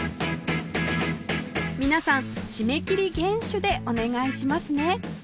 皆さん締め切り厳守でお願いしますね